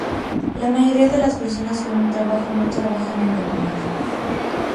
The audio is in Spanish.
La mayoría de las personas con un trabajo no trabajan en el lugar.